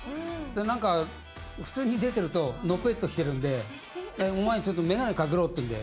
何か普通に出てるとのぺっとしてるんでお前ちょっと眼鏡掛けろっていうんで。